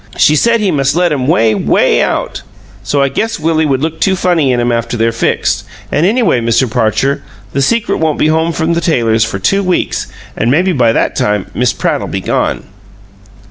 She said he must let 'em way, WAY out! So I guess Willie would look too funny in 'em after they're fixed; an' anyway, Mr. Parcher, the secret won't be home from the tailor's for two weeks, an' maybe by that time Miss Pratt'll be gone."